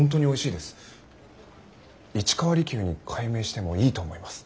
市川利休に改名してもいいと思います。